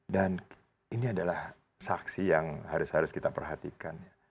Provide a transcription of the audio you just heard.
dan ini adalah saksi yang harus harus kita perhatikan